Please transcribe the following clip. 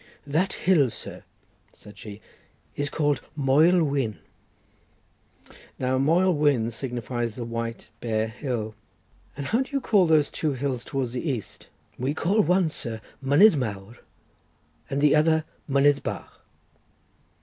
"That hill, sir," said she, "is called Moel Wyn." Now Moel Wyn signifies the white, bare hill. "And how do you call those two hills towards the east?" "We call one, sir, Mynydd Mawr, the other Mynydd Bach."